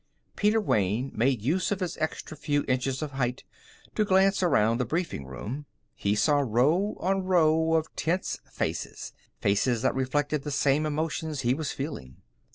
Peter Wayne made use of his extra few inches of height to glance around the briefing room. He saw row on row of tense faces faces that reflected the same emotions he was feeling.